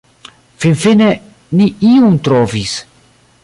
Finfine ni iun trovis.